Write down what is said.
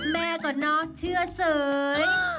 แม่ก็เนาะเชื่อเสย